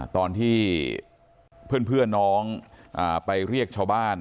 ตอนที่เพื่อนน้องไปเรียกชาวบ้าน